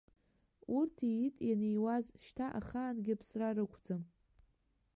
Урҭ иит ианиуаз, шьҭа ахаангьы ԥсра рықәӡам.